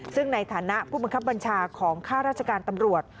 ซึ่งในฐานะผู้บังคับบัญชาของข้าราชการตำรวจ